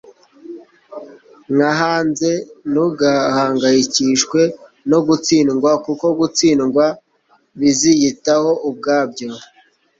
nka hanze; ntugahangayikishwe no gutsindwa, kuko gutsindwa biziyitaho ubwabyo